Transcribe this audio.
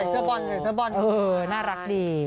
ใส่เสื้อบอลน่ารักดี